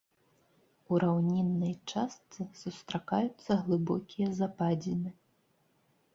У раўніннай частцы сустракаюцца глыбокія западзіны.